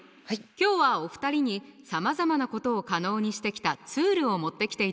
今日はお二人にさまざまなことを可能にしてきたツールを持ってきていただいたわよ。